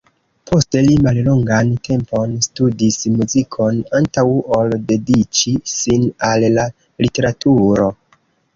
Poste li mallongan tempon studis muzikon, antaŭ ol dediĉi sin al la literaturo.